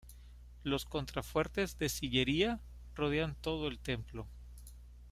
Los contrafuertes de sillería rodean todo el templo.